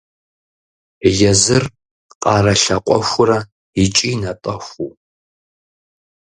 Езыр къарэ лъакъуэхурэ икӀи натӀэхуу.